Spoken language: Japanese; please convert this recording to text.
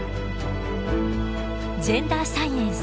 「ジェンダーサイエンス」